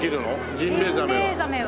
ジンベエザメは。